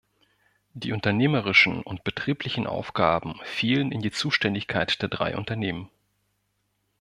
Die unternehmerischen und betrieblichen Aufgaben fielen in die Zuständigkeit der drei Unternehmen.